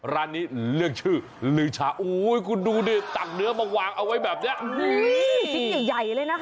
ร้านนี้เลือกชื่อลือชาโอ้ยคุณดูดิตักเนื้อมาวางเอาไว้แบบนี้ชิ้นใหญ่ใหญ่เลยนะคะ